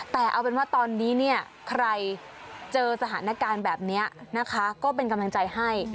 แต่เอาเป็นว่าตอนนี้เนี่ยใครเจอสถานการณ์แบบนี้นะคะก็เป็นกำลังใจให้